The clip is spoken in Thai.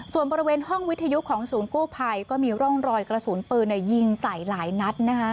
ส่วนบริเวณห้องวิทยุของศูนย์กู้ภัยก็มีร่องรอยกระสุนปืนยิงใส่หลายนัด